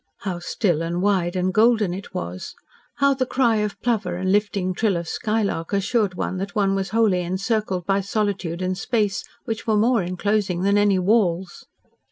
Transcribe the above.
How still and wide and golden it was; how the cry of plover and lifting trill of skylark assured one that one was wholly encircled by solitude and space which were more enclosing than any walls!